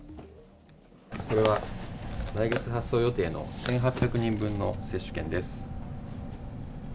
これは来月発送予定の１８００人分の接種券です。